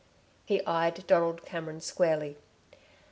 He eyed Donald Cameron squarely.